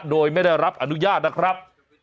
โดยไม่ได้รับอนุญาตนะครับ